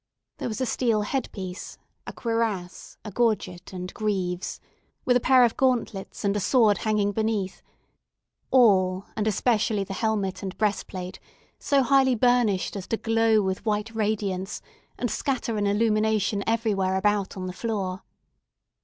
There was a steel head piece, a cuirass, a gorget and greaves, with a pair of gauntlets and a sword hanging beneath; all, and especially the helmet and breastplate, so highly burnished as to glow with white radiance, and scatter an illumination everywhere about upon the floor.